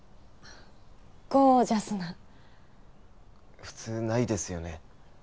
ゴージャスな普通ないですよね